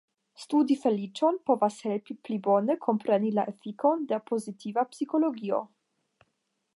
Studi feliĉon povas helpi pli bone kompreni la efikon de pozitiva psikologio.